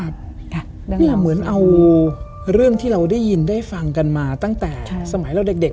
เหมือนเอาเรื่องที่เราได้ยินได้ฟังกันมาตั้งแต่สมัยเราเด็ก